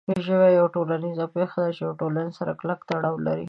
ژبه یوه ټولنیزه پېښه ده چې د ټولنې سره کلک تړاو لري.